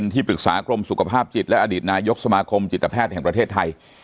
ที่ปรึกษากรมสุขภาพจิตและอดีตนายกสมาคมจิตแพทย์แห่งประเทศไทย